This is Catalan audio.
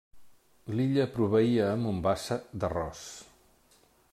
L'illa proveïa a Mombasa d'arròs.